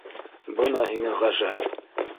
Бына һиңә ғәжәп!